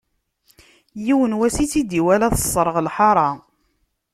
Yiwen wass i tt-id-iwala, tesserɣ lḥaṛa.